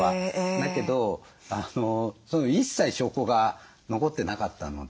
だけど一切証拠が残ってなかったので。